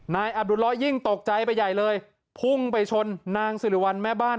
นายอับดุลร้อยยิ่งตกใจไปใหญ่เลยพุ่งไปชนนางสิริวัลแม่บ้าน